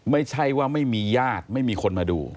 ไม่ใช่ว่าไม่มีญาติไม่มีคนมาดู